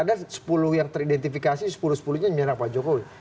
ada sepuluh yang teridentifikasi sepuluh sepuluh nya menyerang pak jokowi